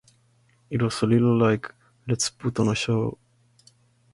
It was a little like, 'let's put on a show'.